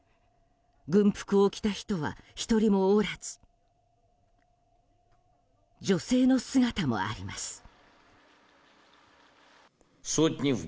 軍服を着た人は１人もおらず女性の姿もあります。